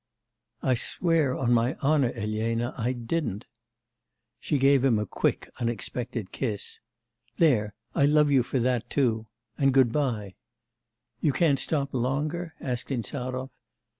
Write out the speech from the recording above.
'I swear on my honour, Elena, I didn't.' She gave him a quick unexpected kiss. 'There, I love you for that too. And goodbye.' 'You can't stop longer?' asked Insarov.